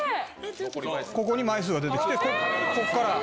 ここに枚数が出てきて、ここから。